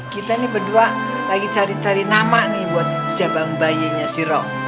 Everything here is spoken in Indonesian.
kita nih berdua lagi cari cari nama nih buat jabang bayinya siro